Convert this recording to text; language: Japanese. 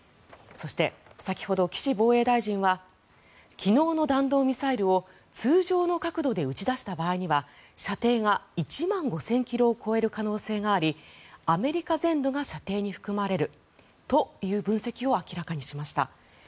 そして、先ほど岸防衛大臣は昨日の弾道ミサイルを通常の角度で打ち出した場合には射程が１万５０００ｋｍを超える可能性がありアメリカ全土が射程に含まれるという分析を明らかにしました。